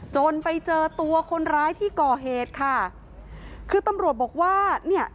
จนไปเจอตัวคนร้ายที่ก่อเหตุค่ะคือตำรวจบอกว่าเนี่ย